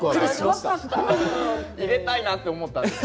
入れたいなと思ったんです。